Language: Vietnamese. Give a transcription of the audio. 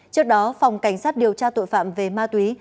trước đó phòng cảnh sát điều tra tội phạm về ma túy